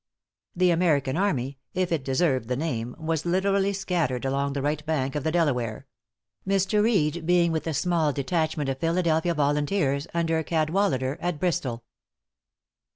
The American army, if it deserved the name, was literally scattered along the right bank of the Delaware; Mr. Reed being with a small detachment of Philadelphia volunteers, under Cadwalader, at Bristol.